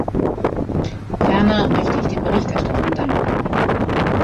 Ferner möchte ich den Berichterstattern danken.